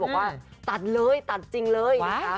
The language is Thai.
บอกว่าตัดเลยตัดจริงเลยนะคะ